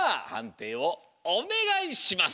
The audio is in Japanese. ていをおねがいします。